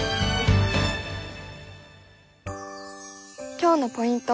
今日のポイント